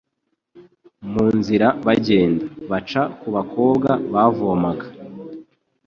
Mu nzira bagenda, baca ku bakobwa bavomaga,